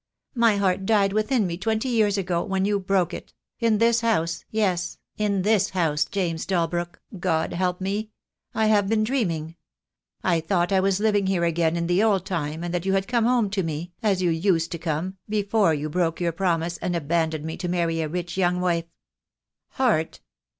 "My heart died within me twenty years ago, when you broke it; in this house, yes, in this house, James Dalbrook, God help me! I have been dreaming! I thought I was living here again THE DAY WILL COME. 2 55 in the old time, and that you had come home to me, as you used to come, before you broke your promise and abandoned me to marry a rich young wife. Heart!